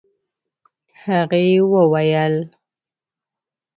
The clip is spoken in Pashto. هغې وويل: